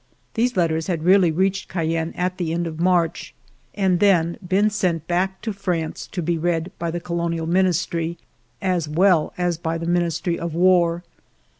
These letters had really reached Cayenne at the end of March, and then been sent back to France to be read by the Colonial Minis try as well as by the Ministry of War.